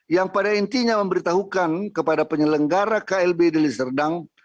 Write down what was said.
yang pada intinya memberitahukan kepada penyelenggara klb deli serdang